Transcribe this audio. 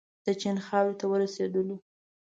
د چین خاورې ته ورسېدلو.